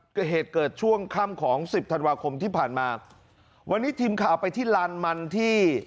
เกิดเหตุเกิดช่วงค่ำของสิบธันวาคมที่ผ่านมาวันนี้ทีมข่าวไปที่ลานมันที่